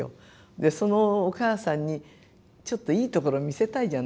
でそのお母さんにちょっといいところ見せたいじゃないですか。